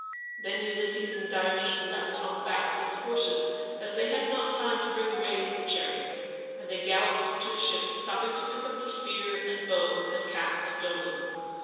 Then Ulysses and Diomede leaped on the backs of the horses, as they had not time to bring away the chariot, and they galloped to the ships, stopping to pick up the spear, and bow, and cap of Dolon.